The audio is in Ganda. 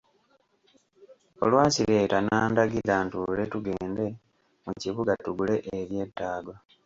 Olwazireeta n'andagira ntuule tugende mu kibuga tugule ebyetaago.